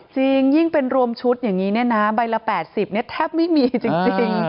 จริงยิ่งเป็นรวมชุดอย่างนี้เนี่ยนะใบละ๘๐แทบไม่มีจริง